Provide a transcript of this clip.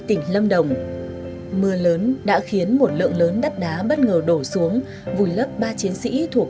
tỉnh lâm đồng mưa lớn đã khiến một lượng lớn đất đá bất ngờ đổ xuống vùi lấp ba chiến sĩ thuộc